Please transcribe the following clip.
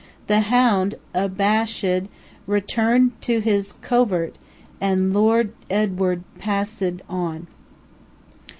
The hound, abashed, returned to his cov ert, and Lord Edward pass ed on.